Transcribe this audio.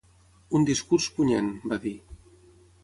"Un discurs punyent", va dir.